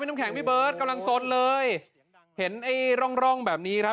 เสียงพี่เบิร์ตกำลังสดเลยเห็นไอร่อกร่องแบบนี้ครับ